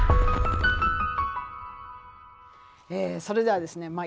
それではですね